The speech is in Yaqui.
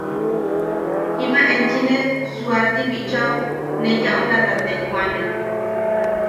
Jiba enchi nee suaati bichao ne yaʼurata tejwaane.